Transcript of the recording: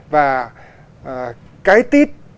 và cái tít